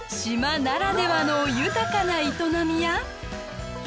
島ならではの豊かな営みや。